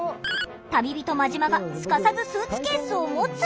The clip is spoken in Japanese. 旅人マジマがすかさずスーツケースを持つ。